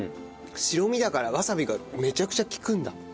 白身だからわさびがめちゃくちゃ利くんだ。